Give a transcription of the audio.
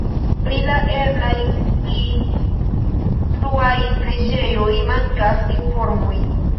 Pri la eblaj pli fruaj preĝejoj mankas informoj.